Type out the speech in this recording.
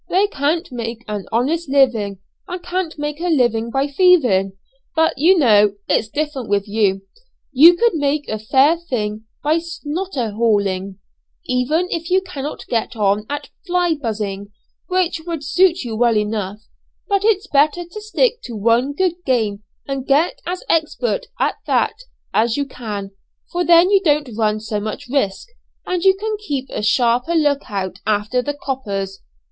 They can't make an honest living, and can't make a living by thieving; but, you know, it's different with you. You could make a fair thing by 'snotter hauling,' even if you cannot get on at 'fly buzzing,' which would suit you well enough; but it's better to stick to one good game, and get as expert at that as you can, for then you don't run so much risk, and you can keep a sharper look out after the 'coppers'.